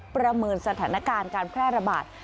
ประเมินสถานการณ์การแพร่ระบาด